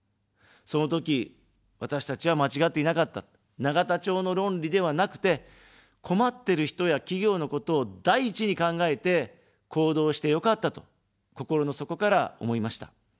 そのとき、私たちは間違っていなかった、永田町の論理ではなくて、困ってる人や企業のことを第一に考えて行動してよかったと、心の底から思いました。